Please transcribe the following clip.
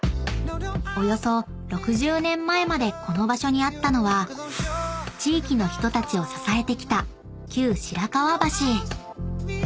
［およそ６０年前までこの場所にあったのは地域の人たちを支えてきた旧白川橋］